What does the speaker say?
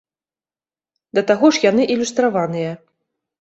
Да таго ж яны ілюстраваныя.